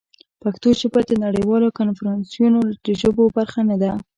پښتو ژبه د نړیوالو کنفرانسونو د ژبو برخه نه ده.